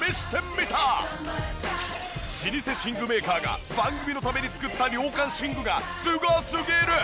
老舗寝具メーカーが番組のために作った涼感寝具がすごすぎる！